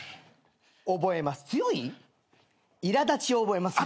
覚えます。